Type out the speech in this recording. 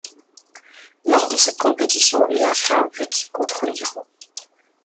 Lors de cette compétition, il inscrit un but contre l'Iran.